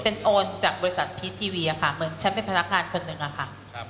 เป็นโอนจากบริษัทพีชทีวีค่ะเหมือนฉันเป็นพนักงานคนหนึ่งอะค่ะ